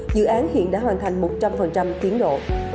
dự án hiện đã hoàn thành một trăm linh tiến độ